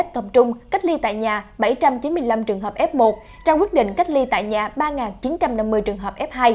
tập trung cách ly tại nhà bảy trăm chín mươi năm trường hợp f một trong quyết định cách ly tại nhà ba chín trăm năm mươi trường hợp f hai